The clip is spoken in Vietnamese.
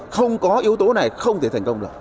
không có yếu tố này không thể thành công